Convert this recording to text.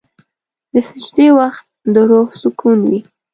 د سجدې وخت د روح سکون وي.